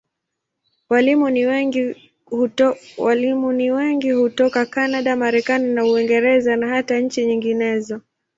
Walimu ni wengi hutoka Kanada, Marekani na Uingereza, na hata nchi nyinginezo.